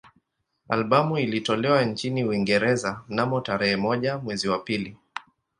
Albamu ilitolewa nchini Uingereza mnamo tarehe moja mwezi wa pili